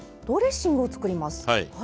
ドレッシングを作ります。